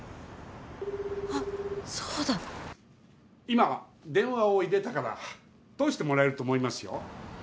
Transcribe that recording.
今電話を入れたから通してもらえると思いますよ。